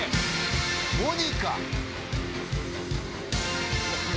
『モニカ』